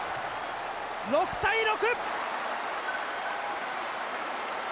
６対６！